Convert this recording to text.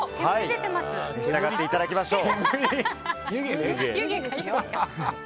召し上がっていただきましょう。